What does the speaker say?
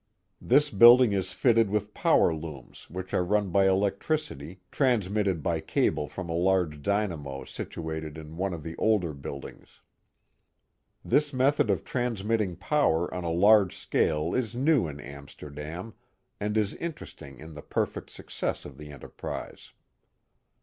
This building is fitted with power looms which are run by electricity, transmitted by cable from a large dynamo situated in one of the older buildings. This method of transmitting power on a large scale is new in Amsterdam, and is interesting in the perfect success of the enterprise.